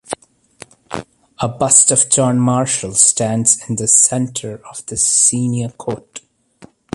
A bust of John Marshall stands in the center of the Senior Court.